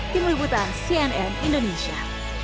tim liputan cnn indonesia